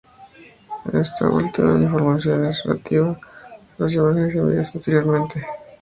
En esta última, la información es relativa a las imágenes enviadas anteriormente.